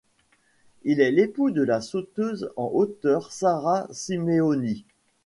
Il est l'époux de la sauteuse en hauteur Sara Simeoni.